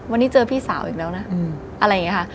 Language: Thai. วันนี้เจอพี่สาวอีกแล้วนะอะไรอย่างนี้ค่ะ